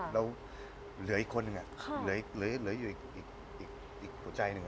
แล้วเหลืออีกคนอีกใจหนึ่ง